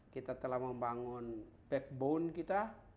kita telah membangun backbone kita